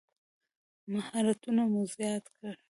مهارتونه مو زیات کړئ